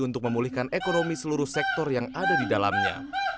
untuk memulihkan ekonomi seluruh sektor yang ada di dalamnya